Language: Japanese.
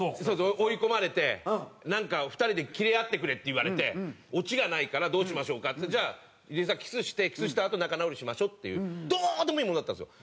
追い込まれて「２人でキレ合ってくれ」って言われて「オチがないからどうしましょうか」っつって「竜兵さんキスしてキスしたあと仲直りしましょう」っていうどうでもいいものだったんですよ。